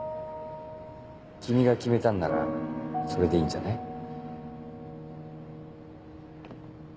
君が決めたんならそれでいいんじゃない。